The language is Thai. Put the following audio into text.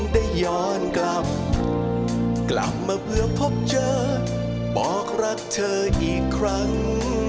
ได้ย้อนกลับกลับมาเพื่อพบเจอบอกรักเธออีกครั้ง